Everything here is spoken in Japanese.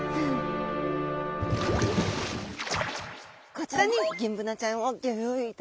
こちらにギンブナちゃんをギョ用意いただきました。